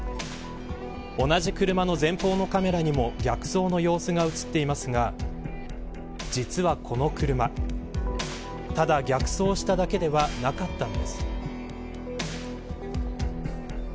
同じ車の前方のカメラにも逆走の様子が映っていますが実は、この車ただ、逆走しただけではなかったんです。